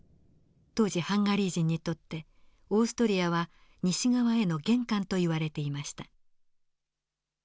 当時ハンガリー人にとってオーストリアは西側への玄関といわれていました。